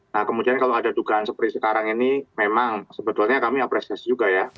nah kemudian kalau ada dugaan seperti sekarang ini memang sebetulnya kami apresiasi juga ya